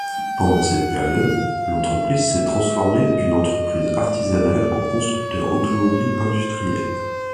Pendant cette période, l'entreprise s'est transformée d'une entreprise artisanale en constructeur automobile industriel.